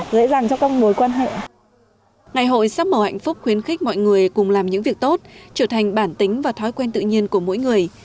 ngày hội sắc màu hạnh phúc khuyến khích mọi người cùng làm những việc tốt trở thành bản tính và thói quen tự nhiên của mỗi người